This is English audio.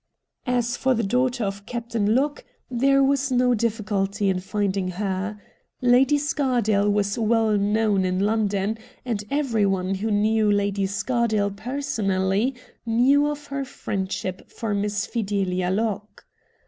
As for the daughter of Captain Locke there was no difficulty in finding her. Lady Scardale was well known in London, and everyone who knew Lady Scardale personally knew of her friendship for Miss Fidelia Locke.